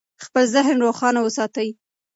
خپل ذهن روښانه وساتئ.